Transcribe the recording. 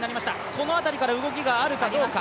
この辺りから動きがあるかどうか。